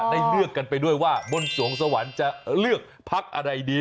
ได้เลือกกันไปด้วยว่าบนสวงสวรรค์จะเลือกพักอะไรดี